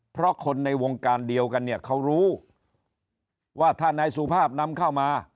เพราะคนในวงการเดียวกันเนี่ยเขารู้ว่าถ้านายสุภาพนำเข้ามา